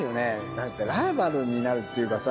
だってライバルになるっていうかさ。